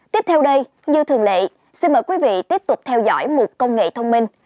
tiếp theo đây như thường lệ xin mời quý vị tiếp tục theo dõi một công nghệ thông minh